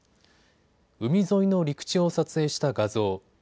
海沿いの陸地を撮影した画像。